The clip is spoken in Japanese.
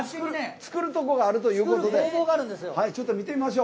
作るところがあるということで見ていきましょう。